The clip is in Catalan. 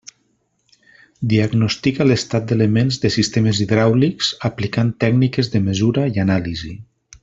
Diagnostica l'estat d'elements de sistemes hidràulics, aplicant tècniques de mesura i anàlisi.